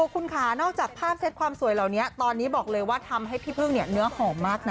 คุณค่ะนอกจากภาพเซ็ตความสวยเหล่านี้ตอนนี้บอกเลยว่าทำให้พี่พึ่งเนี่ยเนื้อหอมมากนะ